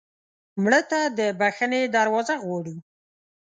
مړه ته د بښنې دروازه غواړو